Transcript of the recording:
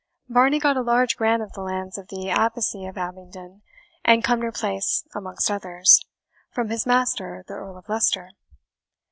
Varney got a large grant of the lands of the Abbacy of Abingdon, and Cumnor Place amongst others, from his master, the Earl of Leicester.